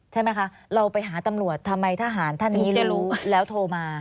ใช่ไหมคะเราไปหาตำรวจทำไมทหารท่านนี้ได้รู้แล้วโทรมา